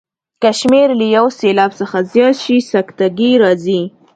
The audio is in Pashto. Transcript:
که شمېر له یو سېلاب څخه زیات شي سکته ګي راځي.